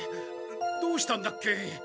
どうしたんだっけ？